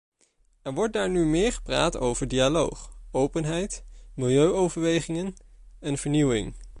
Er wordt daar nu meer gepraat over dialoog, openheid, milieuoverwegingen en vernieuwing.